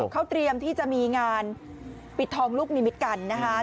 เขาเตรียมที่จะมีงานปิดทองลูกนิมิตกันนะคะ